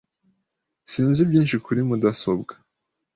Sinzi byinshi kuri mudasobwa.